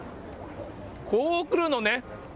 こうくるのね。